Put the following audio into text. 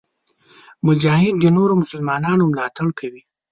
مجاهد د نورو مسلمانانو ملاتړ کوي.